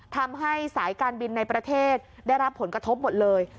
ทำให้สายการบินในประเทศได้รับผลกระทบหมดเลย